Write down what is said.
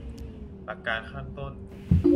หลักการข้างต้น